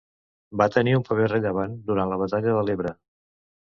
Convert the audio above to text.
Va tenir un paper rellevant durant la Batalla de l'Ebre.